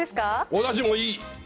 おだしもいい。